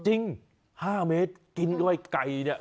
จริง๕เมตรกินด้วยไก่เนี่ย